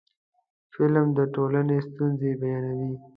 فلم د ټولنې ستونزې بیانوي